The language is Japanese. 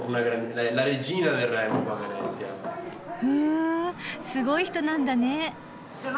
ふんすごい人なんだね。